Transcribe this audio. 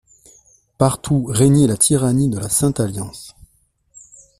Partout régnait la tyrannie de la Sainte-Alliance.